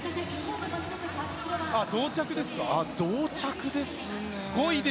同着ですね。